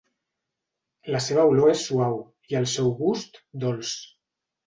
La seva olor és suau i el seu gust, dolç.